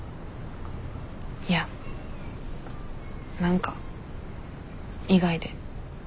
いや何か意外で。